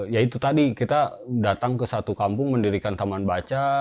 ya itu tadi kita datang ke satu kampung mendirikan taman baca